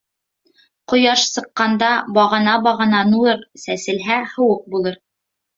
Ҡояш сыҡҡанда бағана-бағана нур сәселһә, һыуыҡ булыр.